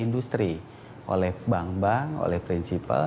industri oleh bank bank oleh prinsipal